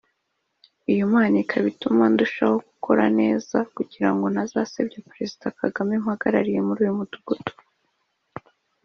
Iyi mpano ikaba yaratumye ndushaho gukora neza kugira ngo ntazasebya Perezida Kagame mpagarariye muri uyu Mudugudu